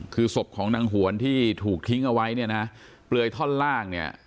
คือศพของนางหวนที่ถูกทิ้งเอาไว้เปลยท่อนล่าง